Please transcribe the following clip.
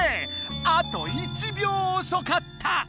あと１秒おそかった。